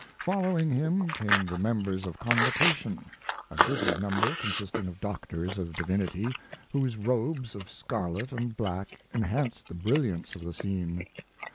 Following him came the members of Convocation, a goodly number consisting of doctors of divinity, whose robes of scarlet and black enhanced the brilliance of the scene.